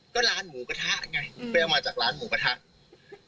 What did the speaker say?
คือตอนนั้นหมากกว่าอะไรอย่างเงี้ย